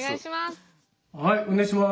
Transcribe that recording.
はいお願いします。